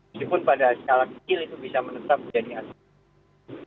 meskipun pada skala kecil itu bisa menetap jadi asap